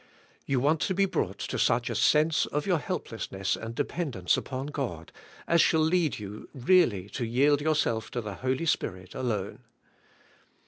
You want to be brought to such a sense of your helplessness and dependence upon God as shall lead you really to yield yourself to the Holy Spirit alone.